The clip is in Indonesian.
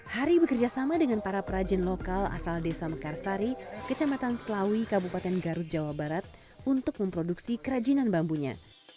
hari bekerja sama dengan para perajin lokal asal desa mekarsari kecamatan selawi kabupaten garut jawa barat untuk memproduksi kerajinan bambunya